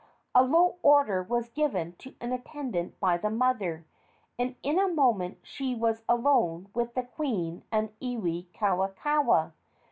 A low order was given to an attendant by the mother, and in a moment she was alone with the queen and Iwikauikaua.